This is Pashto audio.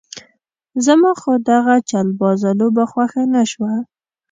زما خو دغه چلبازه لوبه خوښه نه شوه.